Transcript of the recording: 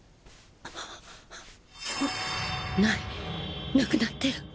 なないなくなってる！？